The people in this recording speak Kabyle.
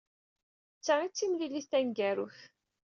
D ta ay d timlilit taneggarut.